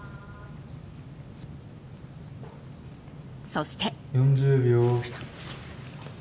そして。